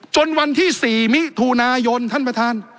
จนวันที่๔มิถุนายนท่านประธาน